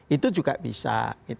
itu juga bisa